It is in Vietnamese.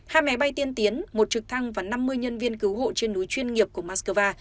hai máy bay tiên tiến một trực thăng và năm mươi nhân viên cứu hộ trên núi chuyên nghiệp của moscow